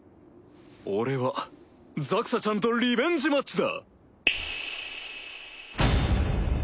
俺はザクサちゃんとリベンジマッチだ！